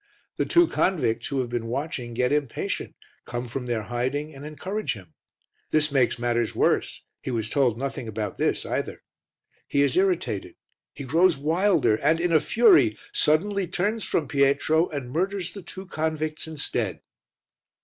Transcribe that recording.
The two convicts, who have been watching, get impatient, come from their hiding and encourage him. This makes matters worse, he was told nothing about this either. He is irritated, he grows wilder and, in a fury, suddenly turns from Pietro and murders the two convicts instead.